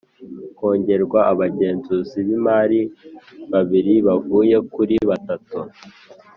kongerwa Abagenzuzi b imari babiri bavuye kuri batatu